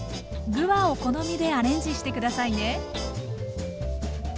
具はお好みでアレンジして下さいね。